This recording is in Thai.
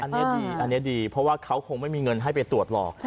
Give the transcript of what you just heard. อันนี้ดีอันนี้ดีเพราะว่าเขาคงไม่มีเงินให้ไปตรวจหรอก